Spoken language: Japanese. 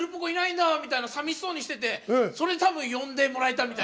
いないんだみたいにさみしそうにしててそれ、たぶん、呼んでもらえた。